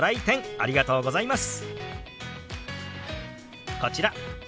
ありがとうございます。